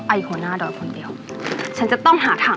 อ้าวหัวหน้าดอนใช่ไหมคะ